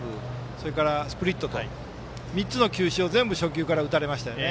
それからスプリットと３つの球種を全部初球から打たれましたよね。